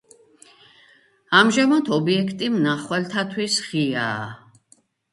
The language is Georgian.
ამჟამად ობიექტი მნახველთათვის ღიაა.